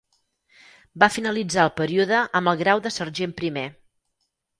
Va finalitzar el període amb el grau de sergent primer.